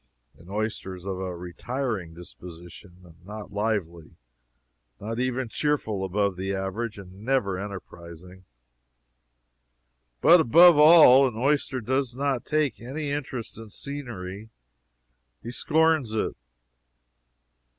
An oyster is of a retiring disposition, and not lively not even cheerful above the average, and never enterprising. But above all, an oyster does not take any interest in scenery he scorns it.